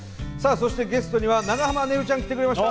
そしてゲストには長濱ねるちゃん来てくれました！